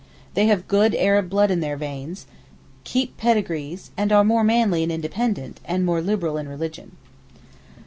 They have good Arab blood in their veins, keep pedigrees, and are more manly and independent, and more liberal in religion.